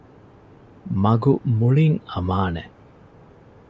މަގު މުޅިން އަމާނެ